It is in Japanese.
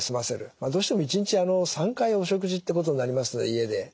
どうしても一日３回お食事ってことになります家で。